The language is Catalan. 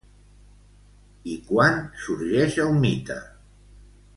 I quan sorgeix el mite?